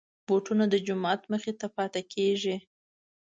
بوټونه د جومات مخې ته پاتې کېږي.